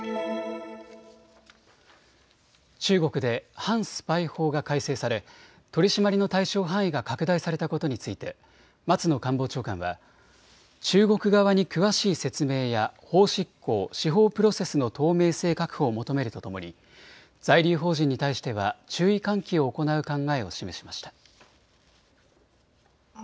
中国で反スパイ法が改正され取締りの対象範囲が拡大されたことについて、松野官房長官は中国側に詳しい説明や法執行・司法プロセスの透明性確保を求めるとともに在留邦人に対しては注意喚起を行う考えを示しました。